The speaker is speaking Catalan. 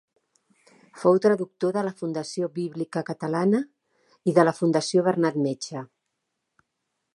Fou traductor de la Fundació Bíblica Catalana i de la Fundació Bernat Metge.